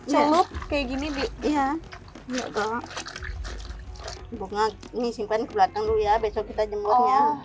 celup kayak gini di ya ya kalau bunga ini simpan ke belakang dulu ya besok kita jemur ya